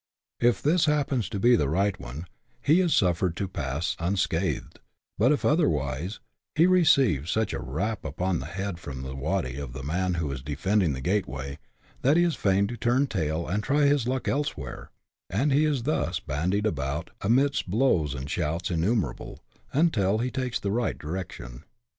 If this happens to be the right one, he is suffered to pass unscathed, but if otherwise, he receives,' such a rap upon the head from the " waddy " of the man who is defend ing the gateway, that he is fain to turn tail and try his luck elsewhere, and he is thus bandied about, amidst blows and shouts innumerable, until he takes the right direction.